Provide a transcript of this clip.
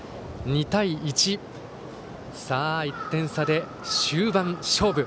２対１、１点差で終盤勝負。